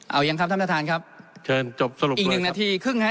เอายังครับท่านประธานครับเชิญจบสรุปอีกหนึ่งนาทีครึ่งฮะ